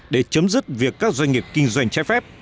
để chấm dứt việc các doanh nghiệp kinh doanh trái phép